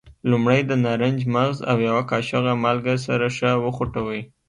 لومړی د نارنج مغز او یوه کاشوغه مالګه سره ښه وخوټوئ.